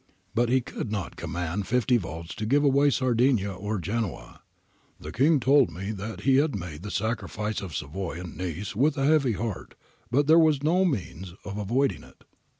But he could not command fifty votes to give away Sardinia or Genoa. ' The King told me that he had made the sacrifice of Savoy and Nice with a heavy heart, but there was no means of avoiding it.